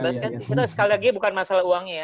itu sekali lagi bukan masalah uangnya ya